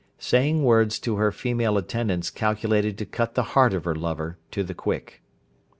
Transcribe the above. Saying words to her female attendants calculated to cut the heart of her lover to the quick.